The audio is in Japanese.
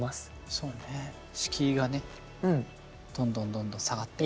そうね敷居がねどんどんどんどん下がって。